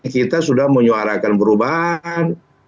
kita sudah menyuarakan perubahan